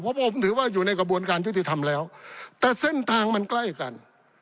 เพราะผมถือว่าอยู่ในกระบวนการยุติธรรมแล้วแต่เส้นทางมันใกล้กัน